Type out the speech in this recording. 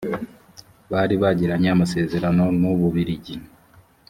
bari bagiranye amasezerano n’ u bubirigi